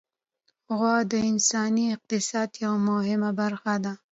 غوا د انساني اقتصاد یوه مهمه برخه ده.